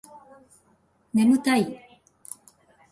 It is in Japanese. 眠たい